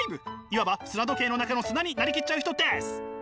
いわば砂時計の中の砂になり切っちゃう人です。